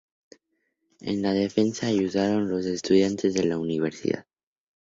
En la defensa ayudaron los estudiantes de la universidad.